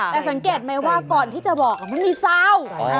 แต่สังเกตไหมว่าก่อนที่จะบอกมันมีซาว